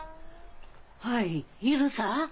はいいるさ。